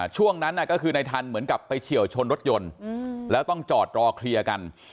ช่วงนั้นก็คือในทันเหมือนกับไปเฉียวชนรถยนต์แล้วต้องจอดรอเคลียร์กัน